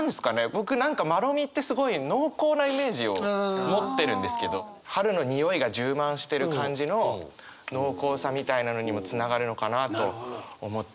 僕何かまろみってすごい濃厚なイメージを持ってるんですけど春のにおいが充満してる感じの濃厚さみたいなのにもつながるのかなと思って。